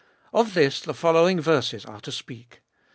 Of this the following verses are to speak.